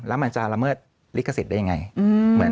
แล้วมันจะละเมิดลิขสิทธิ์ได้ยังไง